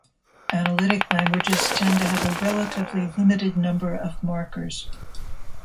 Analytic languages tend to have a relatively limited number of markers.